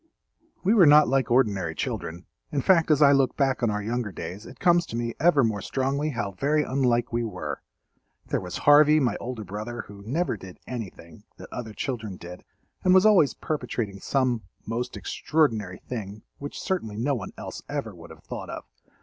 We were not like ordinary children—in fact as I look back on our younger days it comes to me ever more strongly how very unlike we were. There was Harvey, my older brother, who never did anything that other children did and was always perpetrating some most extraordinary thing which certainly no one else ever would have thought of.